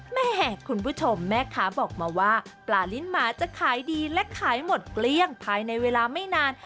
แม่คุณผู้ชมแม่ค้าบอกมาว่าปลาลิ้นหมาจะขายดีและขายหมดเกลี้ยงภายในเวลาไม่นาน